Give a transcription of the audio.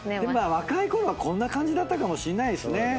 まあ若いころはこんな感じだったかもしんないですね。